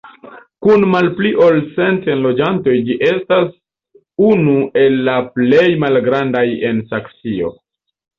Kun malpli ol cent enloĝantoj ĝi estas unu el la plej malgrandaj en Saksio.